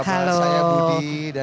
budi dan intan